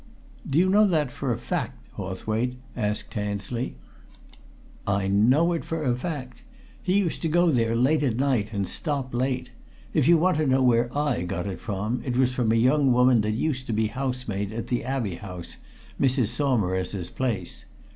"Do you know that for a fact, Hawthwaite?" asked Tansley. "I know it for a fact! He used to go there late at night, and stop late. If you want to know where I got it from, it was from a young woman that used to be housemaid at the Abbey House, Mrs. Saumarez's place.